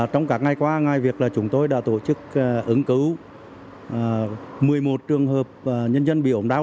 trong các ngày qua ngoài việc chúng tôi đã tổ chức ứng cứu một mươi một trường hợp nhân dân bị ổn đau